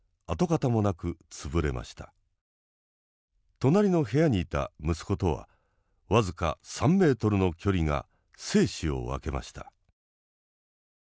隣の部屋にいた息子とは僅か３ｍの距離が生死を分けました。